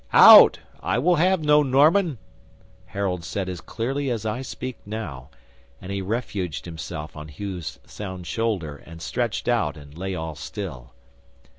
'"Out! I will have no Norman!" Harold said as clearly as I speak now, and he refuged himself on Hugh's sound shoulder, and stretched out, and lay all still.